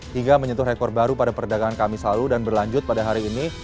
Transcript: hingga menyentuh rekor baru pada perdagangan kamis lalu dan berlanjut pada hari ini